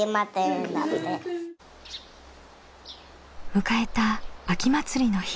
迎えた秋祭りの日。